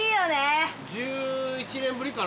１１年ぶりかな。